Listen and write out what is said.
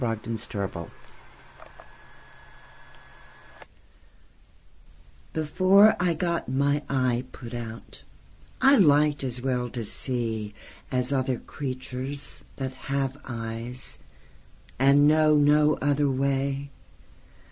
Part One: Life LXII BEFORE I got my eye put out,I liked as well to seeAs other creatures that have eyes, And know no other way.